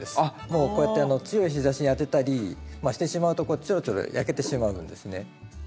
もうこうやって強い日ざしに当てたりしてしまうとこうやってちょろちょろ焼けてしまうんですね。